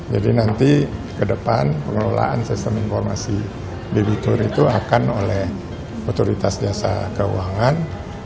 jadi nanti ke depan pengelolaan sistem informasi debitur itu akan oleh otoritas jasa keuangan